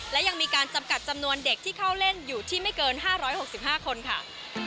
และยังมีการจำกัดจำนวนเด็กที่เข้าเล่นอยู่ที่ไม่เกิน๕๖๕คนค่ะ